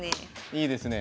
いいですね。